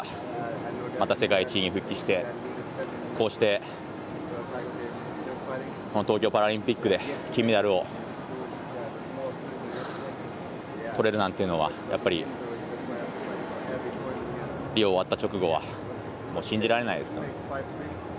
また世界一に復帰してこうしてこの東京パラリンピックで金メダルをとれるなんていうのはリオ終わった直後は信じられないですよね。